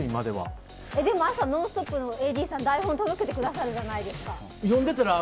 でも朝、「ノンストップ！」のＡＤさんが台本届けてくださるじゃないですか。